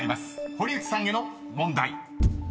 ［堀内さんへの問題］